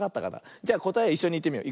じゃこたえをいっしょにいってみよう。